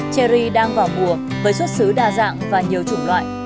cherry đang vào mùa với xuất xứ đa dạng và nhiều chủng loại